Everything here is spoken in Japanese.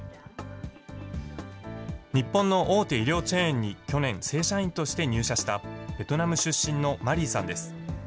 日本の大手衣料チェーンに去年、正社員として入社したベトナム出身のマリーさんです。